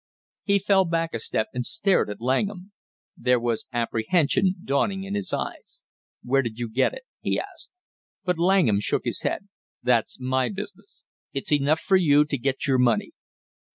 He fell back a step and stared at Langham; there was apprehension dawning in his eyes. "Where did you get it?" he asked. But Langham shook his head. "That's my business; it's enough for you to get your money."